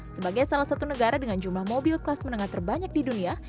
sebagai salah satu negara dengan jumlah mobil kelas menengah terbanyak di dunia